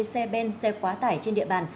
xe ben xe quá tải trên địa bàn